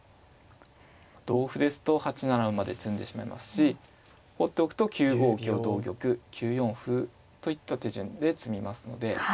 同歩ですと８七馬で詰んでしまいますし放っておくと９五香同玉９四歩といった手順で詰みますので。